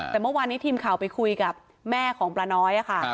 แต่เมื่อวานนี้ทีมข่าวไปคุยกับแม่ของปลาน้อยค่ะ